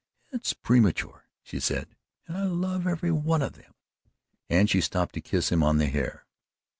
"It's premature," she said, "and I love every one of them." And she stooped to kiss him on the hair.